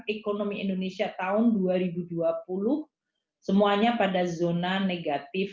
ekonomi indonesia tahun dua ribu dua puluh semuanya pada zona negatif